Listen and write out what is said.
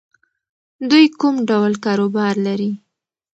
دوی کوم ډول کاروبار لري؟